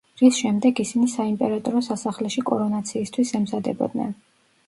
რის შემდეგ ისინი საიმპერატორო სასახლეში კორონაციისთვის ემზადებოდნენ.